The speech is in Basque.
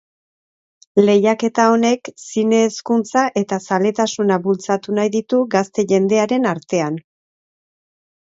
Lehiaketa honek zine hezkuntza eta zaletasuna bultzatu nahi ditu gazte jendearen artean.